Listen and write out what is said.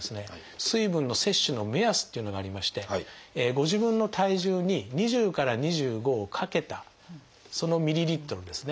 水分の摂取の目安っていうのがありましてご自分の体重に２０から２５を掛けたそのミリリットルですね。